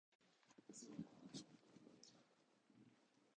嘘でもあなたの言葉がうれしかった